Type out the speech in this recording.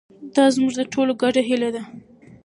دا زموږ د ټولو ګډه هیله ده.